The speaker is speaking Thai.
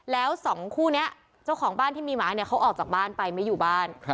แล้วสองคู่นี้เจ้าของบ้านที่มีหมาเนี่ยเขาออกจากบ้านไปไม่อยู่บ้าน